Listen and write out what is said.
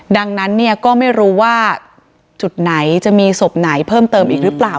ดังนั้นเนี่ยก็ไม่รู้ว่าจุดไหนจะมีศพไหนเพิ่มเติมอีกหรือเปล่า